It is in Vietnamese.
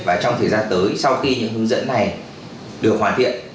và trong thời gian tới sau khi những hướng dẫn này được hoàn thiện